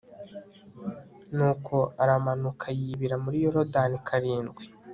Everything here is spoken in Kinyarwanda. nuko aramanuka yibira muri yorodani karindwi